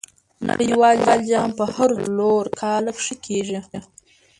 نړۍوال جام په هرو څلور کاله کښي کیږي.